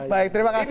baik terima kasih